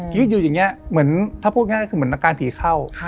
อยู่อย่างนี้เหมือนถ้าพูดง่ายคือเหมือนอาการผีเข้า